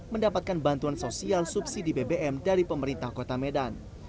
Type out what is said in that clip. mendapatkan bantuan sosial subsidi bbm dari pemerintah kota medan